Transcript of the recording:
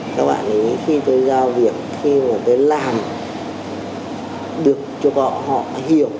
các bạn ấy khi tôi giao việc khi mà tôi làm được cho họ họ hiểu